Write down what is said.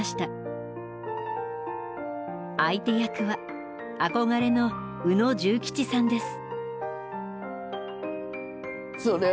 相手役は憧れの宇野重吉さんです。